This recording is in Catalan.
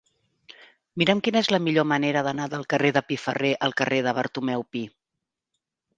Mira'm quina és la millor manera d'anar del carrer de Piferrer al carrer de Bartomeu Pi.